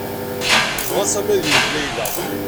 Yebɣa Sami ad yewwet Layla.